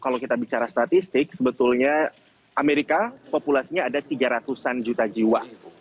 kalau kita bicara statistik sebetulnya amerika populasinya ada tiga ratus an juta jiwa